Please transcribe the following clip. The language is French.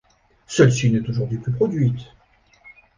Celle-ci n'est aujourd'hui plus produite.